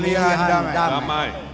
deklarasi pemilihan damai